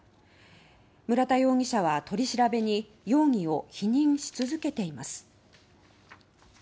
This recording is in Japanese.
村田容疑者は取り調べに容疑を否認し続けています。